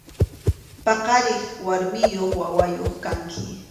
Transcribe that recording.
Paqariq warmiyuq wawayuq kanki.